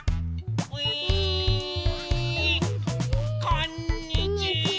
こんにちは！